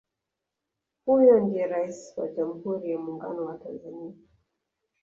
Huyo ndiye Rais wa jamhuri ya Muungano wa Tanzania